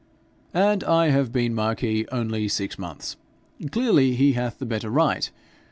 'And I have been marquis only six months! Clearly he hath the better right